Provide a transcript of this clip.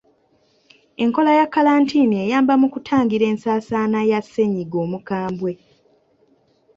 Enkola ya kkalantiini eyamba mu kutangira ensaasaana ya ssennyiga omukambwe.